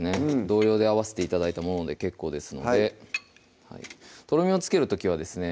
同量で合わせて頂いたもので結構ですのでとろみをつける時はですね